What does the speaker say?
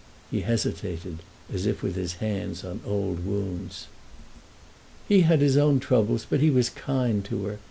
He hesitated, as if with his hands on old wounds. "He had his own troubles, but he was kind to her.